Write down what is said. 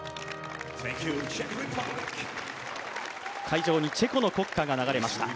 会場にチェコの国歌が流れました。